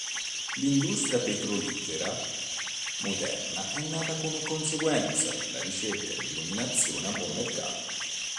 L'industria petrolifera moderna è nata come conseguenza della ricerca di illuminazione a buon mercato.